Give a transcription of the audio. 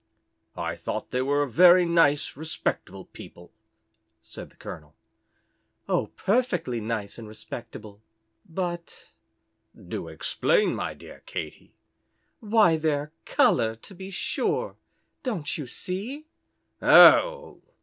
"I thought they were very nice, respectable people," said the colonel. "Oh, perfectly nice and respectable, but " "Do explain, my dear Katy." "Why, their colour, to be sure. Don't you see?" "Oh!"